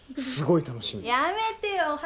すごい楽しみやめてよ